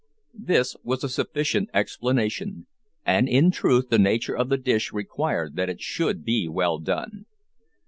This was a sufficient explanation, and in truth the nature of the dish required that it should be well done.